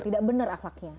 tidak benar akhlaknya